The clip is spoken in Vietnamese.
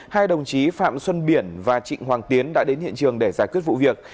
hai đồng chí phạm xuân biển và trịnh hoàng tiến đã đến hiện trường để giải quyết vụ việc